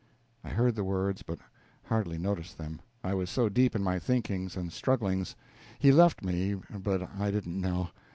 I heard the words, but hardly noticed them, I was so deep in my thinkings and strugglings. He left me, but I didn't know.